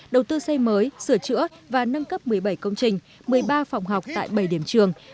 đầu tư xây mới sửa chữa và nâng cấp một mươi bảy công trình một mươi ba phòng học tại bảy điểm trường